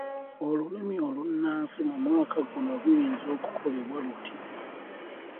Olulimi olunnansi mu mwaka guno luyinza okukolebwa luti